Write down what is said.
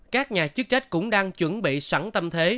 các nhà chức trách cũng đang chuẩn bị sẵn tâm thế